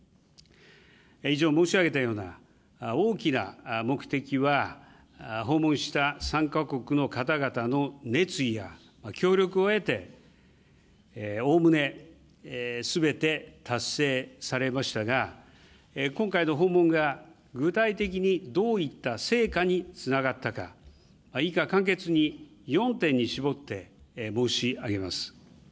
以上、申し上げたような、大きな目的は、訪問した３か国の方々の熱意や協力を得て、おおむねすべて達成されましたが、今回の訪問が具体的にどういった成果につながったか、以下、簡潔に４点に絞って申し上げます。